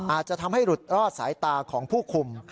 อาจจะทำให้หลุดรอดสายตาของผู้คุม